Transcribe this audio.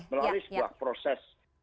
melalui sebuah proses